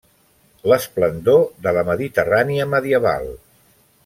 L'esplendor de la Mediterrània medieval.